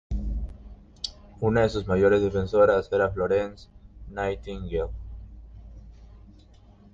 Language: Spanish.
Una de sus mayores defensoras era Florence Nightingale.